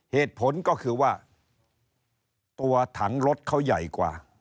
เหตุผลก็คือว่าตัวถังรถเขาใหญ่กว่า